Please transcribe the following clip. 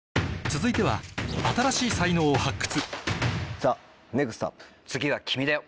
続いては新しい才能を発掘